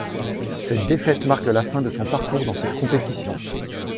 Cette défaite marque la fin de son parcours dans cette compétition.